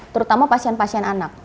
terutama pasien pasien anak